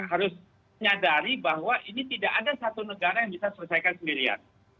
harus nyadari bahwa ini tidak ada satu negara yang bisa selesaikan sendirian